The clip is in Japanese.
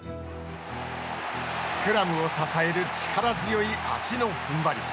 スクラムを支える力強い足のふんばり。